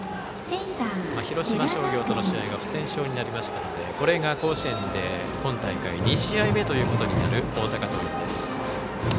広島商業との試合が不戦勝になりましたのでこれが甲子園で今大会２試合目ということになる大阪桐蔭です。